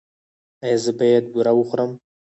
ایا زه باید بوره وخورم؟